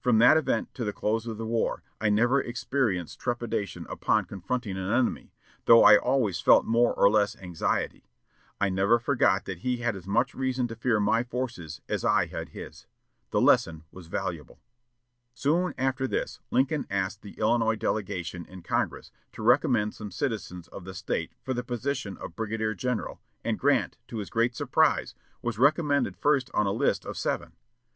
From that event to the close of the war, I never experienced trepidation upon confronting an enemy, though I always felt more or less anxiety. I never forgot that he had as much reason to fear my forces as I had his. The lesson was valuable." Soon after this Lincoln asked the Illinois delegation in Congress to recommend some citizens of the State for the position of brigadier general, and Grant, to his great surprise, was recommended first on a list of seven.